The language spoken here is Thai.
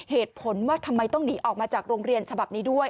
เหตุผลว่าทำไมต้องหนีออกมาจากโรงเรียนฉบับนี้ด้วย